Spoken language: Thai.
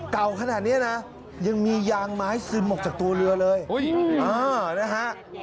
เก่าขนาดเนี้ยนะยังมียางมาให้ซึมออกจากตัวเรือเลยโอ้ยอ้าวนะฮะ